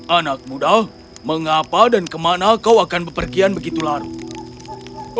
anak muda mengapa dan kemana kau akan bepergian begitu larut